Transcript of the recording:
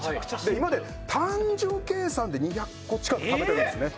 今まで単純計算で２００個近く食べているんですね。